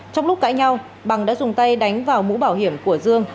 trong lúc cãi nhau bằng đã dùng tay đánh vào mũ bảo hiểm của dương